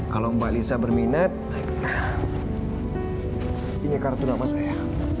kalau mbak lisa berminat ini kartu nama saya